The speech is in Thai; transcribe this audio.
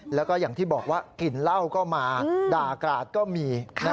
แล้วก็อย่างที่บอกว่ากลิ่นเหล้าก็มาด่ากราดก็มี